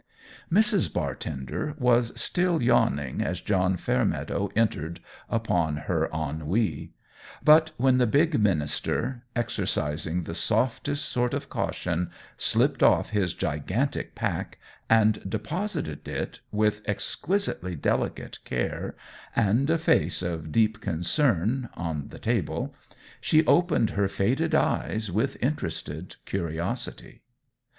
Mrs. Bartender was still yawning as John Fairmeadow entered upon her ennui; but when the big minister, exercising the softest sort of caution, slipped off his gigantic pack, and deposited it with exquisitely delicate care, and a face of deep concern, on the table, she opened her faded eyes with interested curiosity.